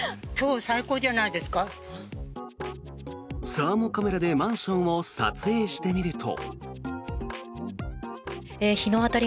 サーモカメラでマンションを撮影してみると。